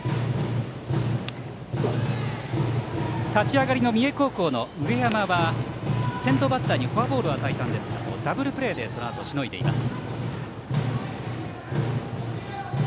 立ち上がりの三重高校の上山は先頭バッターにフォアボールを与えたんですけれどもダブルプレーでそのあと、しのいでいます。